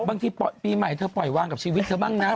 บางทีปีใหม่เธอปล่อยวางกับชีวิตเธอบ้างนะ